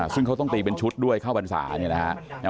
ซึ่งเขาต้องตีเป็นชุดด้วยข้าวพรรษานะครับ